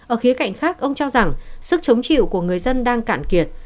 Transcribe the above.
ở khía cạnh khác ông cho rằng sức chống chịu của người dân đang cạn kiệt